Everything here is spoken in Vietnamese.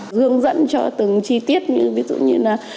hướng dẫn cho từng chi tiết ví dụ như là